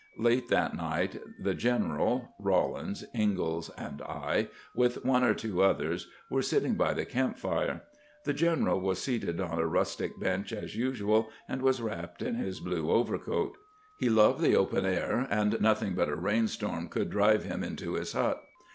Late that night the general, Rawlins, Ingalls, and I, with one or two others, were sitting by the camp fire. The general was seated on a rustic bench as usual, and was wrapped in his blue overcoat. He loved the open air, and nothing but a rain storm could drive him into his hut.